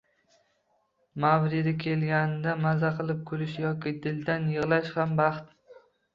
Mavridi kelganida maza qilib kulish yoki dildan yig‘lash ham baxt.